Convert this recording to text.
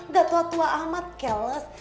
gak tua tua amat chaos